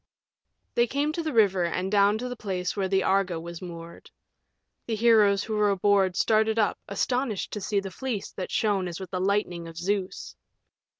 They came to the river and down to the place where the Argo was moored. The heroes who were aboard started up, astonished to see the Fleece that shone as with the lightning of Zeus.